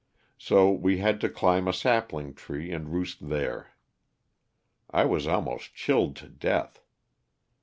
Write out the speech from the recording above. So we had to climb a sapling tree and roost there. I was almost chilled to death.